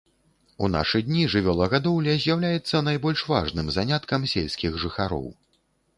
У нашы дні жывёлагадоўля з'яўляецца найбольш важным заняткам сельскіх жыхароў.